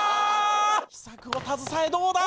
秘策を携えどうだ？